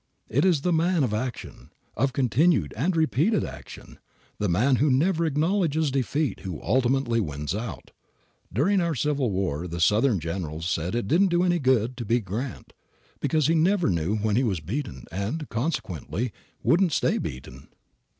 It is the man of action, of continued and repeated action, the man who never acknowledges defeat who ultimately wins out. During our Civil War the Southern generals said it didn't do any good to beat Grant, because he never knew when he was beaten and, consequently, wouldn't stay beaten.